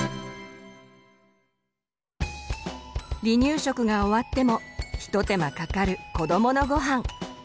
離乳食が終わっても一手間かかる子どものごはん。